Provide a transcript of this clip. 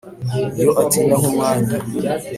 iyo atinda nk’umwanya